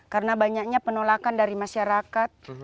karena banyaknya penolakan dari masyarakat